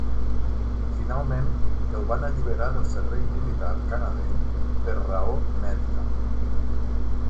Finalment el van alliberar del servei militar canadenc per raó mèdica.